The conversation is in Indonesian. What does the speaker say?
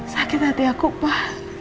sakit hati aku pak